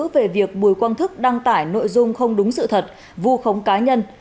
về việc bùi quang thức đăng tải nội dung không đúng sự thật vu khống cá nhân